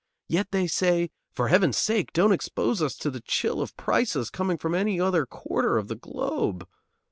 Yet they say, "For Heaven's sake don't expose us to the chill of prices coming from any other quarter of the globe."